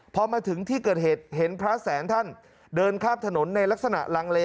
พอมาถึงที่เกิดเหตุเห็นพระแสนท่านเดินข้ามถนนในลักษณะลังเล